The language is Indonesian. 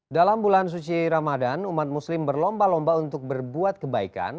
dalam bulan suci ramadan umat muslim berlomba lomba untuk berbuat kebaikan